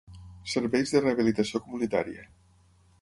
Serveis de rehabilitació comunitària.